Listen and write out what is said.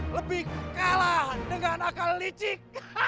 lebih kalah dengan akal licik